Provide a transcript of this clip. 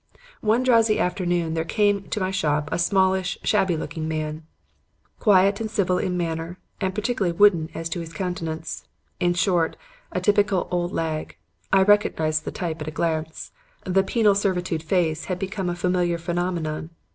"One drowsy afternoon there came to my shop a smallish, shabby looking man, quiet and civil in manner and peculiarly wooden as to his countenance; in short, a typical 'old lag.' I recognized the type at a glance; the 'penal servitude face' had become a familiar phenomenon.